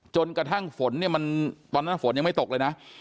จนกระทั่งฝนเนี่ยมันตอนนั้นฝนยังไม่ตกเลยนะ